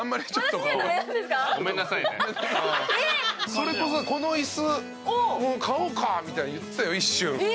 それこそこの椅子、買おうかとか言ってたよ、一瞬。